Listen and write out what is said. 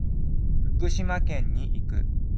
福島県に行く。